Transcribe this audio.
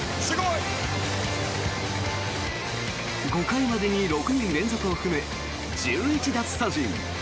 ５回までに６人連続を含む１１奪三振。